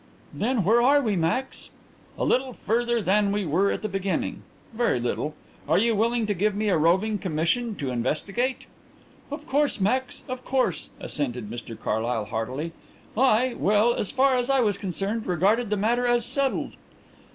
"Then where are we, Max?" "A little further than we were at the beginning. Very little.... Are you willing to give me a roving commission to investigate?" "Of course, Max, of course," assented Mr Carlyle heartily. "I well, as far as I was concerned, I regarded the matter as settled."